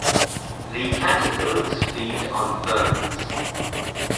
The caterpillars feed on ferns.